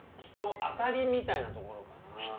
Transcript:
人当たりみたいなところかな。